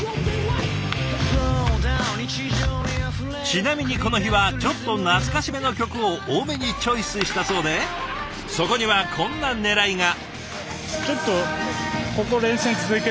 ちなみにこの日はちょっと懐かしめの曲を多めにチョイスしたそうでそこにはこんなねらいが。